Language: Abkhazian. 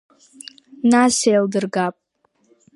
Нас еилдыргап…